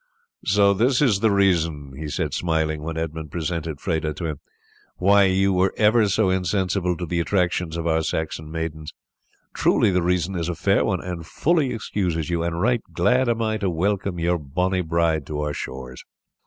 "So this is the reason," he said smiling, when Edmund presented Freda to him, "why you were ever so insensible to the attractions to our Saxon maidens! Truly the reason is a fair one and fully excuses you, and right glad am I to welcome your bonnie bride to our shores."